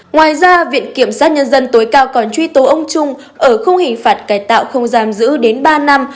ngoài ra viện kiểm soát nhân dân tối cao còn truy tố ông trung ở không hình phạt cài tạo không giam giữ đến ba năm